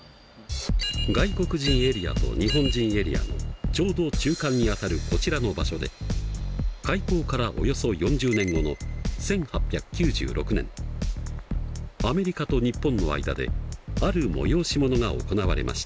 外国人エリアと日本人エリアのちょうど中間にあたるこちらの場所で開港からおよそ４０年後の１８９６年アメリカと日本の間である催し物が行われました。